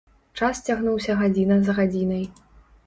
Час цягнуўся гадзіна за гадзінай.